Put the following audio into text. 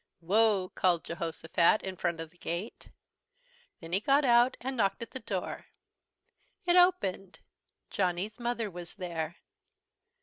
"Whoa!" called Jehosophat, in front of the gate. Then he got out and knocked at the door. It opened. Johnny's Mother was there.